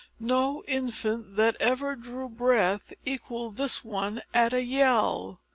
No infant that ever drew breath equalled this one at a yell.